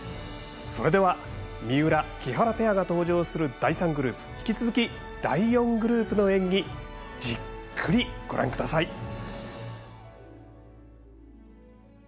それでは三浦、木原ペアが登場する第３グループに引き続き第４グループの演技じっくりご覧ください。